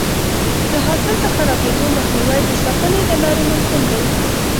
د حاصل د خرابېدو مخنیوی د ساتنې له لارې ممکن دی.